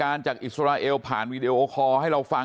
พวกมันกลับมาเมื่อเวลาที่สุดพวกมันกลับมาเมื่อเวลาที่สุด